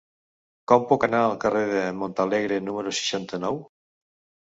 Com puc anar al carrer de Montalegre número seixanta-nou?